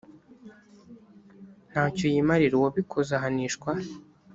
ntacyo yimarira uwabikoze ahanishwa